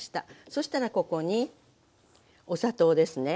そしたらここにお砂糖ですね。